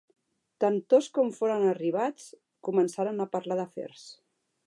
Tantost com foren arribats, començaren a parlar d'afers.